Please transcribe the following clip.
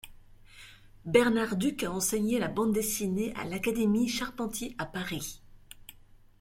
Bernard Duc a enseigné la bande dessinée à l'Académie Charpentier, à Paris.